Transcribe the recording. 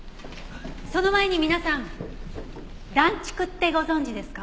その前に皆さん暖竹ってご存じですか？